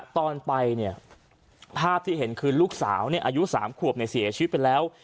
ตอนไปเนี่ยภาพที่เห็นคือลูกสาวอายุ๓ขวบเสียชีวิตไปแล้ว